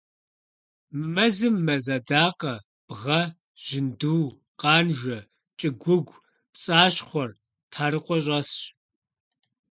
Мы мэзым мэз адакъэ, бгъэ, жьынду, къанжэ, кӀыгуугу, пцӀащхъуэр, тхьэрыкъуэ щӀэсщ.